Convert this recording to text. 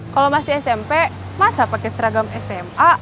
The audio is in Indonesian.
kalo masih smp masa pake seragam sma